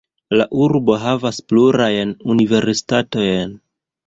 La urbo havas plurajn universitatojn.